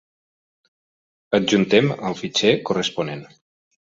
Adjuntem el fitxer corresponent.